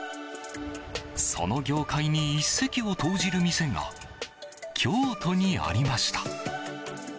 その業界に一石を投じる店が京都にありました。